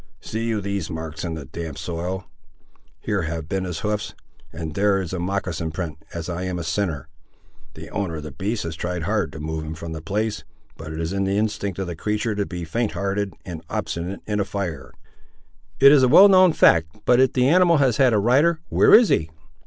"See you these marks in the damp soil? Here have been his hoofs,—and there is a moccasin print, as I'm a sinner! The owner of the beast has tried hard to move him from the place, but it is in the instinct of the creatur' to be faint hearted and obstinate in a fire." "It is a well known fact. But if the animal has had a rider, where is he?"